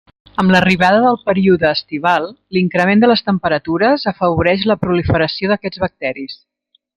Amb l'arribada del període estival, l'increment de les temperatures afavoreix la proliferació d'aquests bacteris.